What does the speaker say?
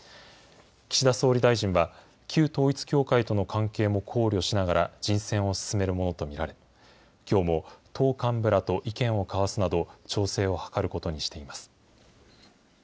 岸田総理大臣は、旧統一教会との関係も考慮しながら、人選を進めるものと見られ、きょうも党幹部らと意見を交わすなど、調整を図ることにしています。